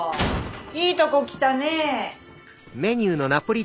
いいとこ来たねえ。